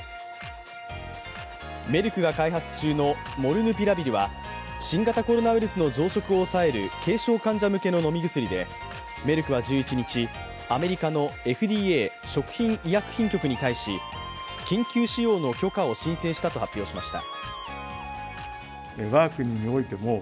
メルクが開発中のモルヌピラビルは、新型コロナウイルスの増殖を抑える軽症患者向けの飲み薬でメルクは１１日、アメリカのＦＤＡ＝食品医薬品局に対し、緊急使用の許可を申請したと発表しました。